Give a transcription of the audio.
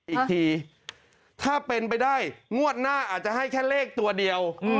อีกทีถ้าเป็นไปได้งวดหน้าอาจจะให้แค่เลขตัวเดียว